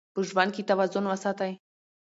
په ژوند کې توازن وساتئ.